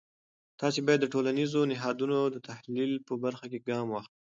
تاسې باید د ټولنیزو نهادونو د تحلیل په برخه کې ګام واخلی.